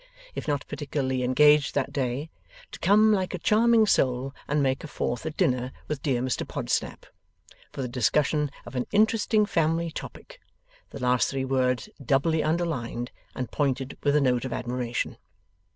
if not particularly engaged that day, to come like a charming soul and make a fourth at dinner with dear Mr Podsnap, for the discussion of an interesting family topic; the last three words doubly underlined and pointed with a note of admiration.